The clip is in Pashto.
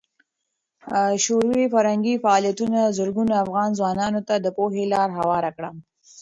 شوروي فرهنګي فعالیتونه زرګونو افغان ځوانانو ته د پوهې لار هواره کړه.